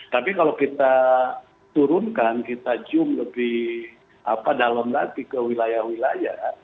tapi kalau kita turunkan kita gym lebih dalam lagi ke wilayah wilayah